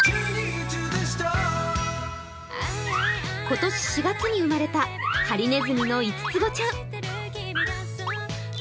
今年４月に生まれたハリネズミの五つ子ちゃん。